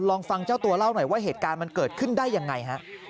ลองฟังเจ้าตัวเล่าหน่อยว่าเหตุการณ์มันเกิดขึ้นได้ยังไงฮะ